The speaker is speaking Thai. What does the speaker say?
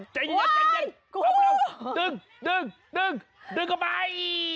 ใจเย็นดึงดึงเข้าไป